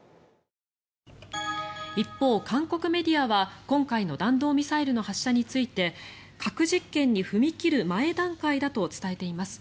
一方、韓国メディアは今回の弾道ミサイルの発射について核実験に踏み切る前段階だと伝えています。